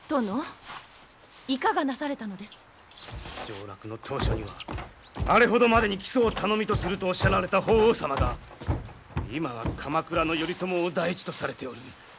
上洛の当初にはあれほどまでに「木曽を頼みとする」とおっしゃられた法皇様が今は鎌倉の頼朝を第一とされておる。